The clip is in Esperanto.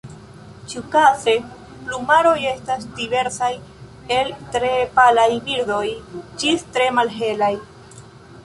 Ĉiukaze plumaroj estas diversaj el tre palaj birdoj ĝis tre malhelaj.